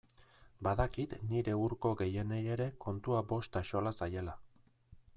Badakit nire hurko gehienei ere kontua bost axola zaiela.